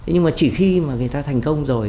nhưng mà chỉ khi mà người ta thành công rồi